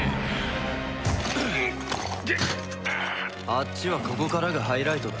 あっちはここからがハイライトだ。